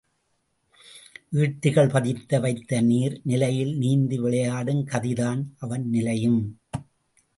ஈட்டிகள் பதித்து வைத்த நீர் நிலையில் நீந்தி விளையாடும் கதி தான் அவன் நிலையும்.